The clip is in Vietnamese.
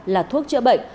là thuốc chữa bệnh